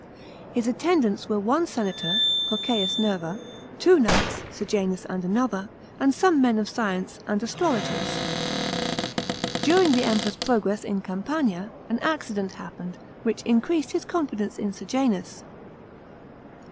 His attendants were one senator, Cocceius Nerva; two kuights, Sejanus and another; and some men of science, and astrologers. During the Emperor's progress in Campania, an accident happened, which increased his confidence in Sejanus.